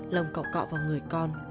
lòng cậu cọ vào người con